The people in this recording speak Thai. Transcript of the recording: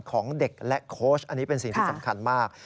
ของเด็กและโค้ชอันนี้เป็นสิ่งที่สำคัญมาก